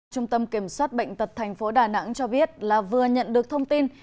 trung tâm kiểm soát bệnh tật thành phố đà nẵng cho biết là vừa nhận được thông tin